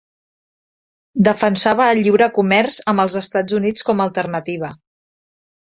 Defensava el lliure comerç amb els Estats Units com a alternativa.